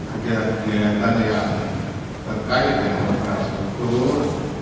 kegiatan kegiatan yang terkait dengan infrastruktur